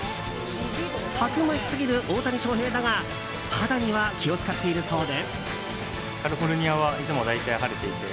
たくましすぎる大谷翔平だが肌には気を使っているそうで。